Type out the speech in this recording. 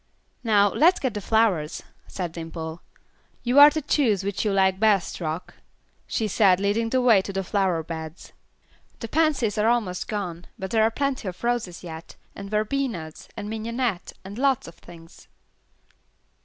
"Now let's get the flowers," said Dimple; "you are to choose just which you like best, Rock," she said, leading the way to the flower beds. "The pansies are almost gone, but there are plenty of roses yet, and verbenas, and mignonette, and lots of things."